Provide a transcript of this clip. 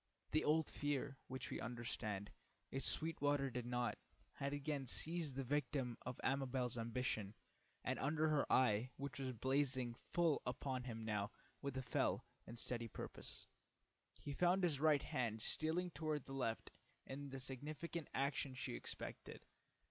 The old fear, which we understand, if Sweetwater did not, had again seized the victim of Amabel's ambition, and under her eye, which was blazing full upon him now with a fell and steady purpose, he found his right hand stealing toward the left in the significant action she expected.